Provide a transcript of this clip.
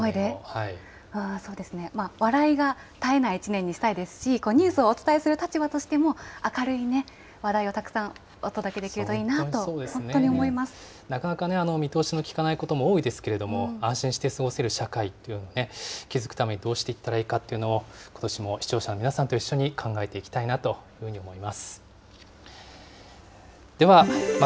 そうですね、笑いが絶えない１年にしたいですし、ニュースをお伝えする立場としても、明るいね、話題をたくさんお届けできるといいなと、本当なかなか見通しの利かないことも多いですけれども、安心して過ごせる社会っていうのをね、築くためにどうしていったらいいかというのも、ことしも視聴者の皆さんと一緒に考えていきたいなというふうに思います。